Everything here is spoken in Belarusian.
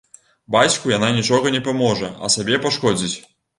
Бацьку яна нічога не паможа, а сабе пашкодзіць.